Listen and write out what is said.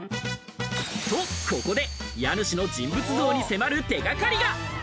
ここで家主の人物像に迫る手掛かりが。